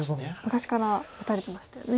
昔から打たれてましたよね。